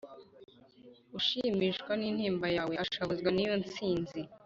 Ushimishwa n'intimba yawe ashavuzwe niyo nsinzi.